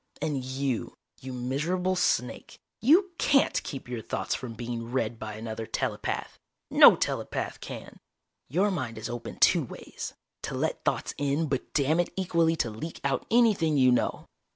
"And you, you miserable snake, you can't keep your thoughts from being read by another telepath. No telepath can. Your mind is open two ways to let thoughts in but, damn it, equally to leak out anything you know."